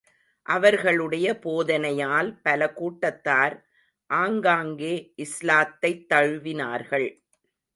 அவர்களுடைய போதனையால் பல கூட்டத்தார் ஆங்காங்கே இஸ்லாத்தைத் தழுவினார்கள்.